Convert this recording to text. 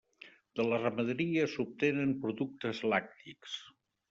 De la ramaderia s'obtenen productes làctics.